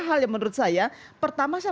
hal yang menurut saya pertama saya